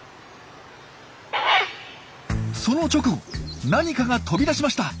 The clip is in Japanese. その直後何かが飛び出しました！